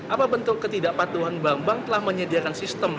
apa bentuk ketidakpatuhan bank bank telah menyediakan sistem